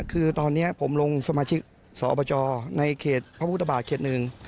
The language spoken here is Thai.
คือตอนนี้ผมลงสมาชิกสอบจในเขตพระพุทธบาทเขตหนึ่ง